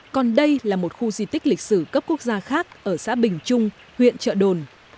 còn đây là một khu di tích lịch sử cấp quốc gia khác ở xã bình trung huyện trợ đồn